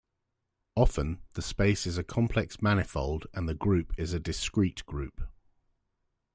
Often the space is a complex manifold and the group is a discrete group.